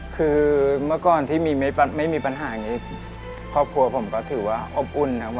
คือเมื่อก่อนที่ไม่มีปัญหานี้ครอบครัวผมก็ถือว่าอบอุ่นครับ